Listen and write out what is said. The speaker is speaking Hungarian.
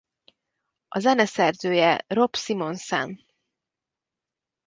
A zeneszerzője Rob Simonsen.